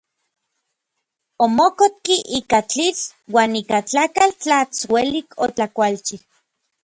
Omokopki ika tlitl uan ika tlakatl tlats uelik otlakualchi.